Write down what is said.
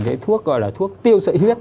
cái thuốc gọi là thuốc tiêu sợi huyết